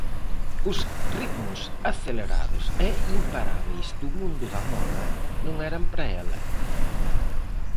Os ritmos acelerados e imparábeis do mundo da moda non eran para ela.